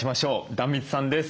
壇蜜さんです。